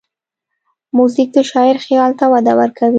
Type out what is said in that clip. موزیک د شاعر خیال ته وده ورکوي.